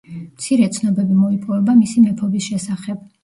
მცირე ცნობები მოიპოვება მისი მეფობის შესახებ.